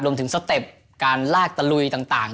รวมถึงสเต็ปการลากตะลุยต่าง